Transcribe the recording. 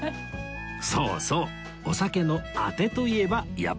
そうそうお酒のアテといえばやっぱりこれ